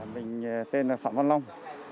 mình tên là phạm văn long